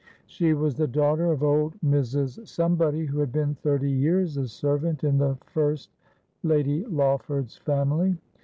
She was the daughter of Old Mrs. Some body, who had been thirty years a servant in the first Lady Lawford's family.